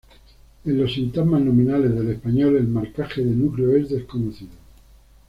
En los sintagmas nominales del español el marcaje de núcleo es desconocido.